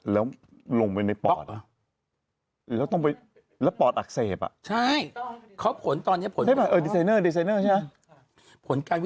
แล้วลงไปในปอดอ่ะแล้วต้นไปแล้วปอดอักเสบอย่างนั้น